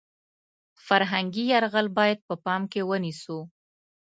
فرهنګي یرغل باید په پام کې ونیسو .